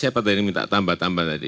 siapa tadi minta tambah tambah tadi